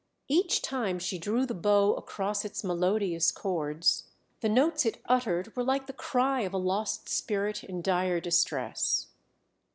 Each time she drew the bow across its melodious chords, the notes it uttered were like the cry of a lost spirit in dire distress.